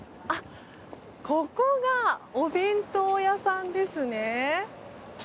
ここがお弁当屋さんですね。